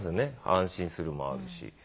安心するもあるし。